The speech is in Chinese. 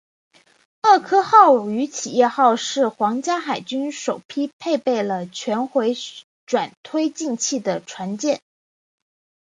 厄科号与企业号是皇家海军首批配备了全回转推进器的船舰。